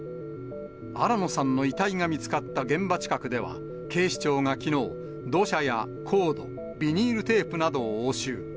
新野さんの遺体が見つかった現場近くでは、警視庁がきのう、土砂やコード、ビニールテープなどを押収。